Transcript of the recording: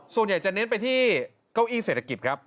ส่วนใหญ่จะเน้นไปที่เก้าอี้เศรษฐกิจครับ